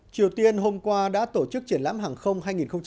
triều tiên hôm qua đã tổ chức triển lãm hàng không hai nghìn một mươi chín